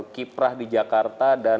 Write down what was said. kiprah di jakarta dan